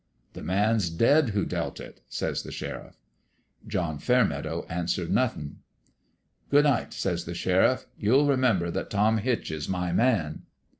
"' The man's dead who dealt it,' says the sheriff. " John Fairmeadow answered nothin'. "' Good night,' says the sheriff. 'You'll re member that Tom Hitch is my man.'